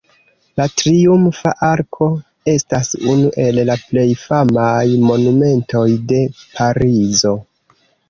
La Triumfa Arko estas unu el la plej famaj monumentoj de Parizo.